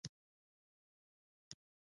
د کور او ښوونځي اړیکه مهمه ده.